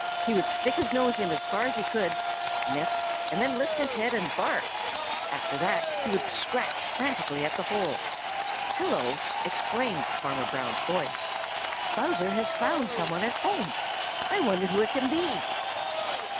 He would stick his nose in as far as he could, sniff, then lift his head and bark. After that he would scratch frantically at the hole. "Hello!" exclaimed Farmer Brown's boy, "Bowser has found some one at home! I wonder who it can be."